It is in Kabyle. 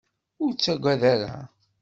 Ur ttagad ara.